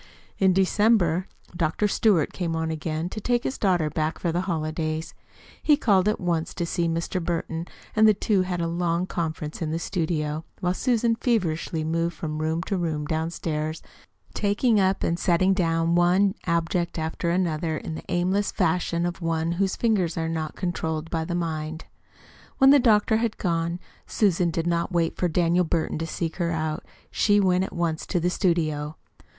In December Dr. Stewart came on again to take his daughter back for the holidays. He called at once to see Mr. Burton, and the two had a long conference in the studio, while Susan feverishly moved from room to room downstairs, taking up and setting down one object after another in the aimless fashion of one whose fingers are not controlled by the mind. When the doctor had gone, Susan did not wait for Daniel Burton to seek her out. She went at once to the studio.